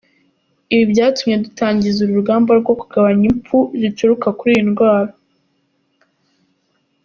Ibi byatumye dutangiza uru rugamba rwo kugabanya impfu zituruka kuri iyi ndwara.